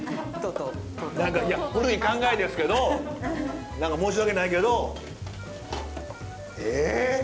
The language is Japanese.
いや古い考えですけど申し訳ないけどえ！